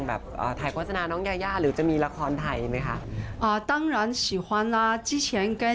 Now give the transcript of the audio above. ถามพี่มีเซียค่ะว่าคือจะมีโอกาสได้ร่วมงานกับคนไทยอีกไหมค่ะ